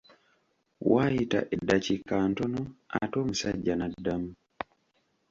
Waayita eddakiika ntono ate omusajja n’addamu.